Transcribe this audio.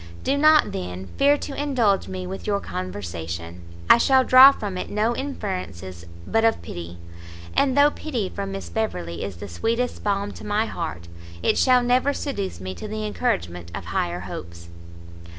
Do not, then, fear to indulge me with your conversation; I shall draw from it no inference but of pity, and though pity from Miss Beverley is the sweetest balm to my heart, it shall never seduce me to the encouragement of higher hopes."